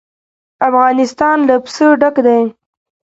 افغانستان له پسه ډک دی.